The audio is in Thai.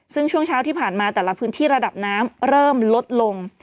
ซึ่งช่วงเช้าที่ผ่านมาแต่ละพื้นที่ระดับน้ำเริ่มลดลง